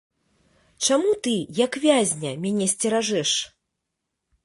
Чаму ты, як вязня, мяне сцеражэш?